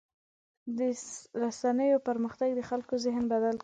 د رسنیو پرمختګ د خلکو ذهن بدل کړی.